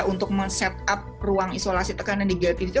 untuk men set up ruang isolasi tekanan negatif itu